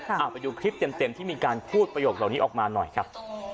เอาไปดูคลิปเต็มที่มีการพูดประโยคเหล่านี้ออกมาหน่อยครับ